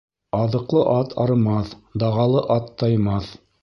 Аҙыҡлы ат арымаҫ, дағалы ат таймаҫ.